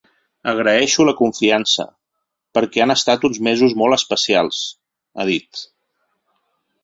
“Agraeixo la confiança, perquè han estat uns mesos molt especials”, ha dit.